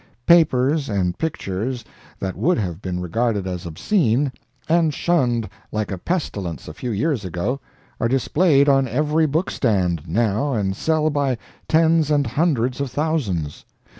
Papers and pictures that would have been regarded as obscene, and shunned like a pestilence a few years ago, are displayed on every bookstand, now and sell by tens and hundreds of thousands.